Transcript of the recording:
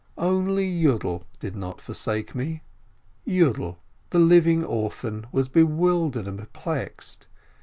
Only Yiidel did not forsake me. Yiidel, the 'living orphan," was bewildered and perplexed.